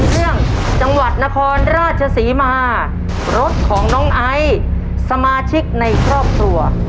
เรื่องจังหวัดนครราชศรีมารถของน้องไอสมาชิกในครอบครัว